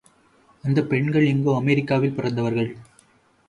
அந்தப் பெண்கள் எங்கோ அமெரிக்காவில் பிறந்தவர்கள்.